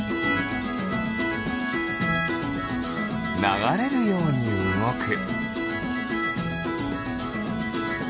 ながれるようにうごく。